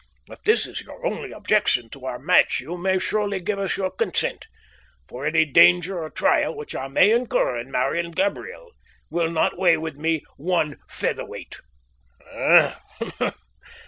If this is your only objection to our match you may surely give us your consent, for any danger or trial which I may incur in marrying Gabriel will not weigh with me one featherweight."